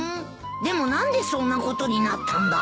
でも何でそんなことになったんだ？